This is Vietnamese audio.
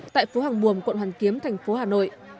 tại phố hàng mùa quận hoàn kiếm thành phố hà nội